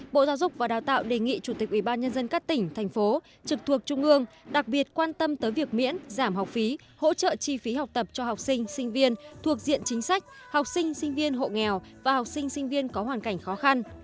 bộ giáo dục và đào tạo đề nghị chủ tịch ubnd các tỉnh thành phố trực thuộc trung ương đặc biệt quan tâm tới việc miễn giảm học phí hỗ trợ chi phí học tập cho học sinh sinh viên thuộc diện chính sách học sinh sinh viên hộ nghèo và học sinh sinh viên có hoàn cảnh khó khăn